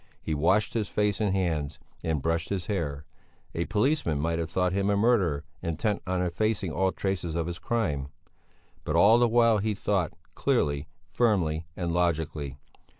He washed his face and hands, and brushed his hair; a policeman might have thought him a murderer, intent on effacing all traces of his crime. But all the while he thought, clearly, firmly and logically.